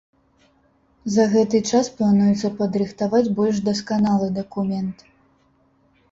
За гэты час плануецца падрыхтаваць больш дасканалы дакумент.